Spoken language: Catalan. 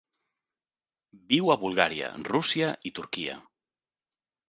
Viu a Bulgària, Rússia i Turquia.